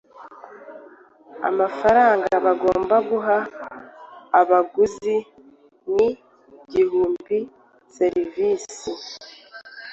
amafaranga bagomba guha abaguzi nigihumbi serivisi